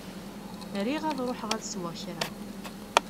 Riɣ ad ṛuḥeɣ ad sweɣ kra.